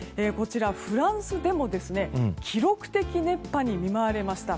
フランスでも記録的熱波に見舞われました。